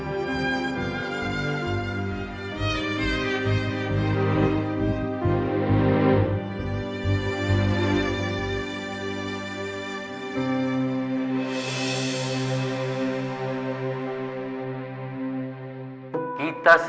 aku akan gunakan waktu ini